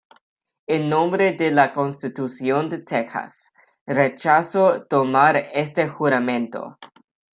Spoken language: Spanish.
En nombre de la Constitución de Texas, rechazo tomar este juramento.